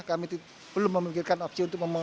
kami belum memikirkan opsi untuk